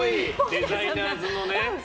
デザイナーズのね。